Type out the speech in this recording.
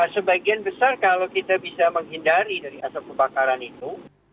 sebagian besar kalau kita bisa menghindari dari asap kebakaran itu